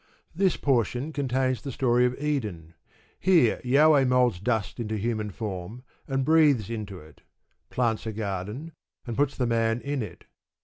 This portion contains the story of Eden. Here Jahweh moulds dust into human form, and breathes into it; plants a garden, and puts the man in it.